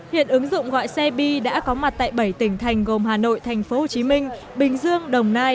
hiện ứng dụng gọi xe bi đã có mặt tại bảy tỉnh thành gồm hà nội tp hcm bình dương đồng nai